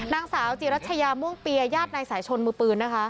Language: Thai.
นางสาวจิรัชยาม่วงเปียญาตินายสายชนมือปืนนะคะ